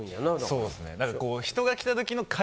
そうですね。